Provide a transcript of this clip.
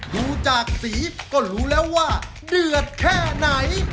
ดูจากสีก็รู้แล้วว่าเดือดแค่ไหน